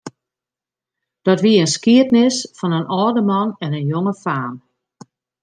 Dat wie in skiednis fan in âlde man en in jonge faam.